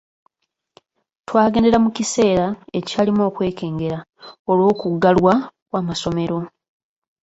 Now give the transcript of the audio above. Twagendera mu kiseera ekyalimu okwekengera olw’okuggalwa kw’amasomero.